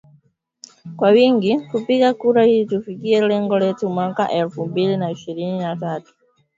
kwa wingi kupiga kura ili tufikie lengo letu mwaka elfu mbili na ishirini na tatu ushindi wa kishindo